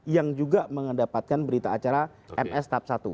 yang juga mendapatkan berita acara ms tahap satu